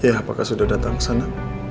apakah sudah datang ke sana